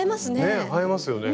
ねっ映えますよね。